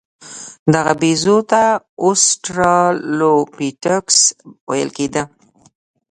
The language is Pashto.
دغه بیزو ته اوسترالوپیتکوس ویل کېده.